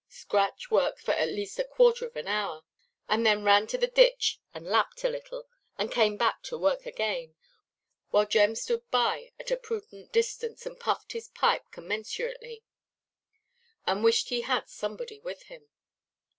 Scratch worked for at least a quarter of an hour, and then ran to the ditch and lapped a little, and came back to work again, while Jem stood by at a prudent distance, and puffed his pipe commensurately, and wished he had somebody with him.